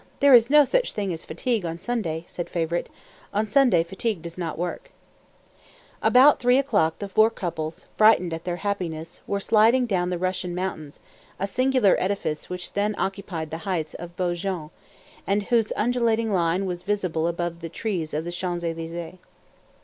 there is no such thing as fatigue on Sunday_, said Favourite; on Sunday fatigue does not work. About three o'clock the four couples, frightened at their happiness, were sliding down the Russian mountains, a singular edifice which then occupied the heights of Beaujon, and whose undulating line was visible above the trees of the Champs Élysées.